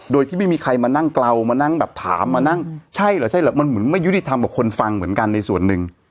โดยที่ไม่มีใครมานั่งเกลามานั่งแบบถามมานั่งใช่เหรอใช่เหรอมันเหมือนไม่ยุติธรรมกับคนฟังเหมือนกันในส่วนหนึ่ง